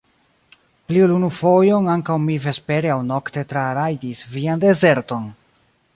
Pli ol unu fojon ankaŭ mi vespere aŭ nokte trarajdis vian dezerton!